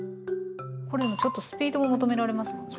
これもちょっとスピードを求められますもんね。